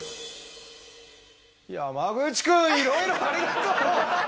山口くんいろいろありがとう！